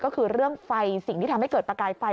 ก็คือเรื่องไฟสิ่งที่ทำให้เกิดประกายไฟ